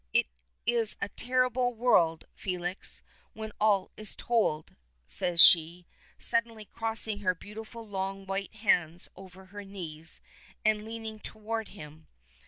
It is a terrible world, Felix, when all is told," says she, suddenly crossing her beautiful long white hands over her knees, and leaning toward him.